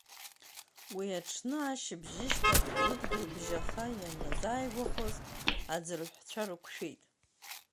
Уи аҽны ашьыбжьышьҭахь, рыдгьылбжьаха ианазааигәахоз, аӡырҳәцәа рықәшәеит.